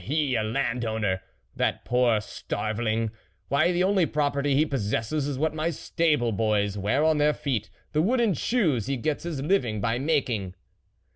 He ! a landowner ! that poor starveling ! why, the only pro perty he possesses is what my stable boys wear on their feet the wooden shoes he gets his living by making."